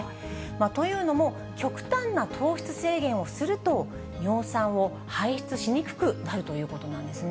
というのも、極端な糖質制限をすると、尿酸を排出しにくくなるということなんですね。